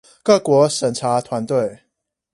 各國審查團隊